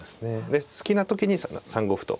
で好きな時に３五歩と。